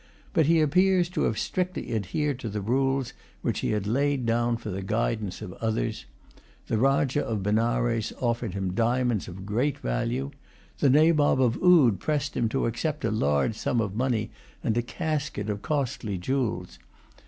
But he appears to have strictly adhered to the rules which he had laid down for the guidance of others. The Rajah of Benares offered him diamonds of great value. The Nabob of Oude pressed him to accept a large sum of money and a casket of costly jewels.